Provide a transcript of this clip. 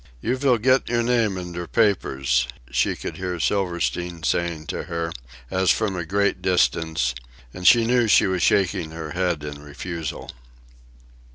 "You vill get your name in der papers," she could hear Silverstein saying to her, as from a great distance; and she knew she was shaking her head in refusal.